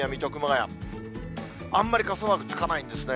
あんまり傘マークつかないんですね。